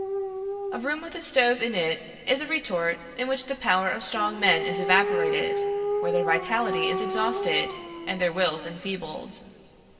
A room with a stove in it is a retort in which the power of strong men is evaporated, where their vitality is exhausted, and their wills enfeebled.